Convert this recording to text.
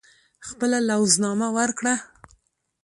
خپله لوز نامه ورکړه.